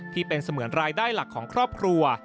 ที่เป็นเสมือนรายได้หลักของครอบครัว